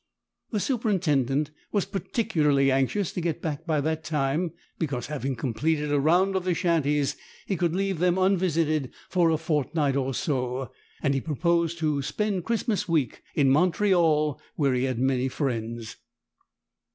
The superintendent was particularly anxious to get back by that time, because, having completed a round of the shanties, he could leave them unvisited for a fortnight or so, and he proposed to spend Christmas week in Montreal, where he had many friends.